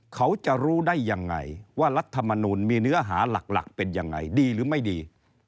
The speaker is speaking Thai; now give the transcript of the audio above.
เขาจะรู้ได้ยังไงว่ารัฐมนูลมีเนื้อหาหลักเป็นยังไงดีหรือไม่ดี